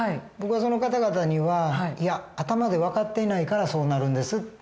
僕はその方々にはいや頭で分かっていないからそうなるんです。